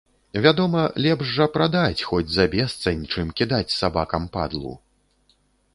Вядома, лепш жа прадаць, хоць за бесцань, чым кідаць сабакам падлу.